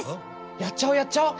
やっちゃおうやっちゃおう！